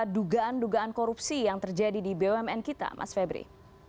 dugaan dugaan korupsi yang terjadi di bumn kita mas febri